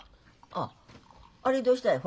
あっあれどうしたい？